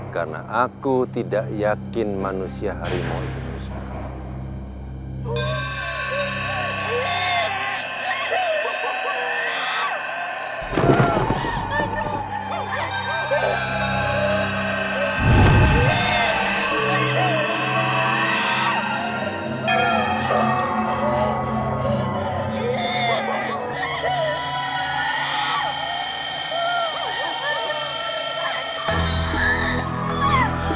karena aku tidak yakin manusia hari mau itu rusak